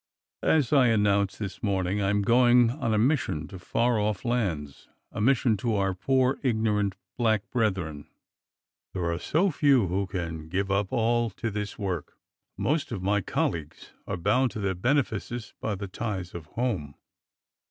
As I announced this morning, I am going on a mission to far off lands, a mission to our poor ignorant black brethren. There are so few who can give up all to this work. Most of my colleagues are bound to their benefices by the ties of home.